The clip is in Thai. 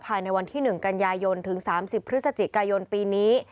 ภายในวันที่๑กันยายนถึง๓๐พฤศจิกายนปีนี้